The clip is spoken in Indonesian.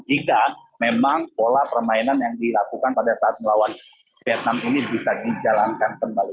jika memang pola permainan yang dilakukan pada saat melawan vietnam ini bisa dijalankan kembali